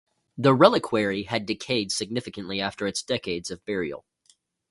The reliquary had decayed significantly after its decades of burial.